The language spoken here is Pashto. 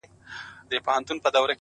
گوره خندا مه كوه مړ به مي كړې!